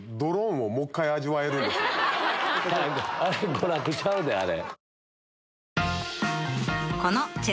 娯楽ちゃうであれ。